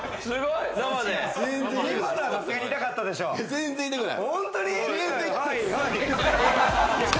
全然いたくない。